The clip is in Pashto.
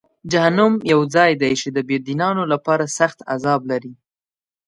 جهنم یو ځای دی چې د بېدینانو لپاره سخت عذاب لري.